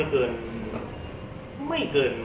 บทคิดว่าไม่เกิน